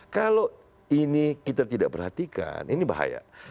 kalau ini kita tidak perhatikan ini bahaya